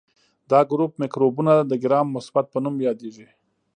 دا ګروپ مکروبونه د ګرام مثبت په نوم یادیږي.